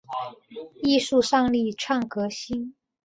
艺术上力倡革新